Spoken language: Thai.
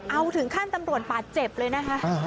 เอาถึงขั้นตำรวจบาดเจ็บเลยนะคะ